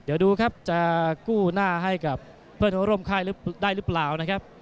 เดี๋ยวดูครับจะกู้หน้าให้กับเพื่อนเขาร่วมค่ายได้หรือเปล่านะครับ